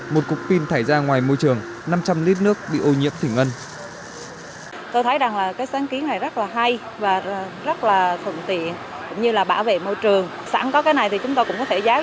một cục pin thải ra ngoài môi trường năm trăm linh lít nước bị ô nhiễm thỉnh ngân